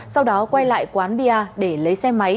sau đó quay lại quán bia để lấy xe máy